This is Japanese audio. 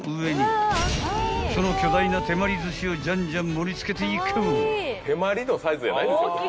［その巨大な手まり寿司をじゃんじゃん盛り付けていく］